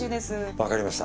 わかりました。